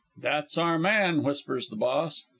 "'That's our man,' whispers the Boss.